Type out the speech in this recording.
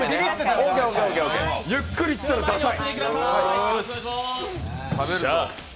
ゆっくり言ったらダサい！